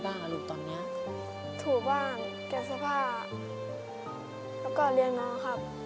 เป็นบ้างหรอลูกตอนเนี้ยถูกบ้างเก็บสภาพแล้วก็เรียนน้องครับ